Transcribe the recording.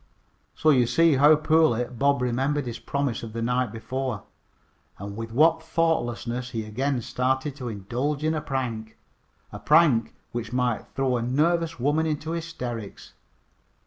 So you see how poorly Bob remembered his promise of the night before, and with what thoughtlessness he again started to indulge in a prank a prank which might throw a nervous woman into hysterics.